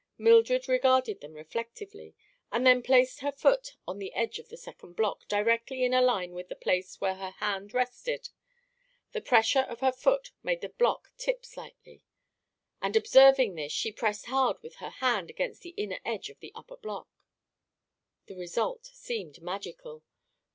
Mildred regarded them reflectively and then placed her foot on the edge of the second block directly in a line with the place where her hand rested. The pressure of her foot made the block tip slightly, and observing this she pressed hard with her hand against the inner edge of the upper block. The result seemed magical.